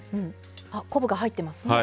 あ昆布が入ってますね。